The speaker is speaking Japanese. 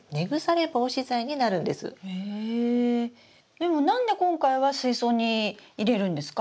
でも何で今回は水槽に入れるんですか？